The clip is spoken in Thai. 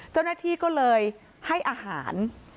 เจ้าหน้าที่ก็เลยให้อาหาร